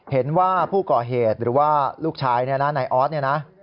เห็นว่าผู้ก่อเหตุหรือว่าลูกชายเนี่ยนะนายออสเนี่ยนะ